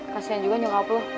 kasihan juga nyolp lo